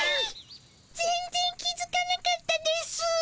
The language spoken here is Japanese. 全ぜん気づかなかったですぅ。